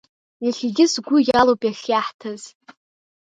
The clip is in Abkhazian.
Иахьагьы сгәы иалоуп иахьиаҳҭаз.